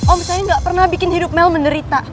om saya gak pernah bikin hidup mel menderita